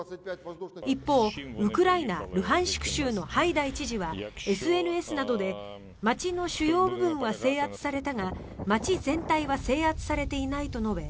一方、ウクライナ・ルハンシク州のハイダイ知事はＳＮＳなどで街の主要部分は制圧されたが街全体は制圧されていないと述べ